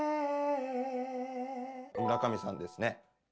村上さんですね。